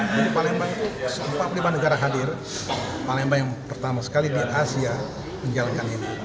jadi palembang itu empat puluh lima negara hadir palembang yang pertama sekali di asia menjalankan ini